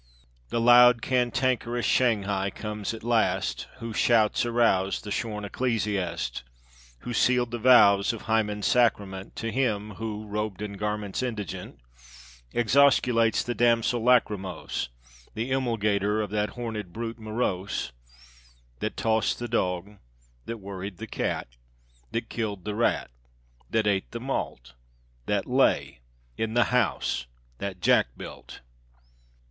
The loud cantankerous Shanghai comes at last, Whose shouts aroused the shorn ecclesiast, Who sealed the vows of Hymen's sacramentTo him who, robed in garments indigent, Exosculates the damsel lachrymose, The emulgator of that hornèd brute moroseThat tossed the dog that worried the cat that kiltThe rat that ate the malt that lay in the house that Jack built.